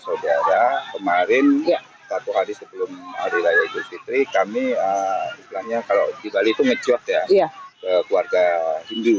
saudara kemarin satu hari sebelum hari raya idul fitri kami istilahnya kalau di bali itu ngejot ya ke keluarga hindu